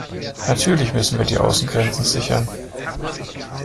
Natürlich müssen wir die Außengrenzen sichern.